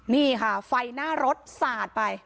นี่ค่ะไฟหน้ารถสาดไป